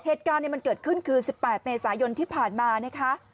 เหตุการณ์มันเกิดขึ้นคือ๑๘เมษายนที่ผ่านมานะคะ